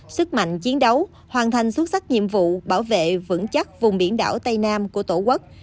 sức mạnh chiến đấu hoàn thành xuất sắc nhiệm vụ bảo vệ vững chắc vùng biển đảo tây nam của tổ quốc